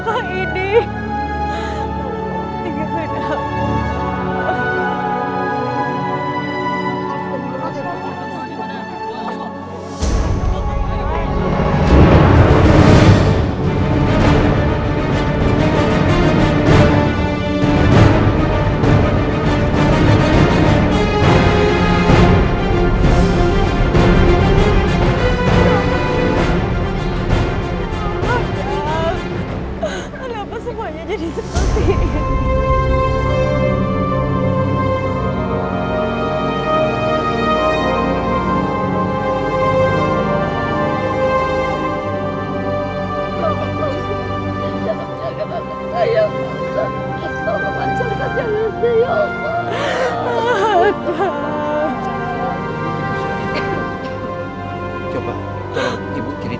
aduh apa semuanya jadi seperti ini